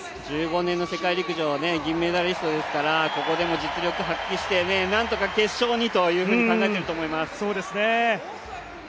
１５年の世界陸上銀メダリストですからここでも実力発揮してなんとか決勝にというふうに考えていると思います。